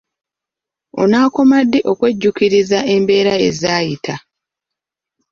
Onaakoma ddi okwejjuukiriza embeera ez'ebyayita?